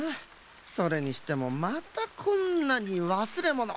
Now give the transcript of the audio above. それにしてもまたこんなにわすれもの。